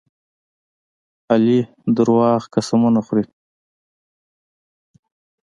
علي دروغ قسمونه خوري.